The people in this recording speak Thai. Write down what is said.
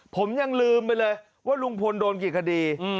ผมยังลืมไปเลยว่าลุงพลโดนกี่คดี